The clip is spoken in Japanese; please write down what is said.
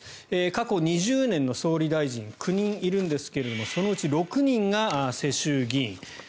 過去２０年の総理大臣９人いるんですがそのうち６人が世襲議員。